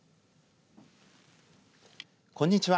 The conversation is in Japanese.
こんにちは。